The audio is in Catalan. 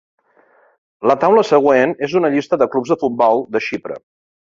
La taula següent és una llista de clubs de futbol de Xipre.